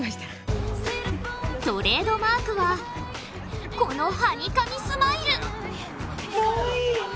トレードマークは、このはにかみスマイル。